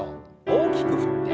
大きく振って。